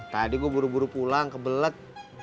tadi gue buru buru pulang ke belet